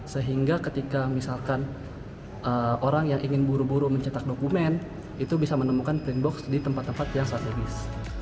sehingga ketika misalkan orang yang ingin buru buru mencetak dokumen itu bisa menemukan print box di tempat tempat yang strategis